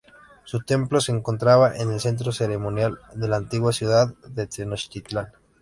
Su templo se encontraba en el centro ceremonial de la antigua ciudad de Tenochtitlán.